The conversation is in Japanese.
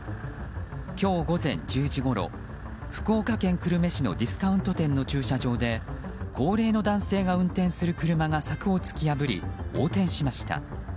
今日午前１０時ごろ福岡県久留米市のディスカウント店の駐車場で高齢の男性が運転する車が柵を突き破り横転しました。